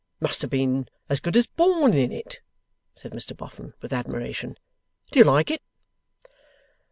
'Must have been as good as born in it!' said Mr Boffin, with admiration. 'Do you like it?